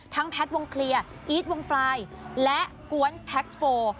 ทั้งแพลตวงเคลียร์อีทวงฟลายและกวนแพลตโฟร์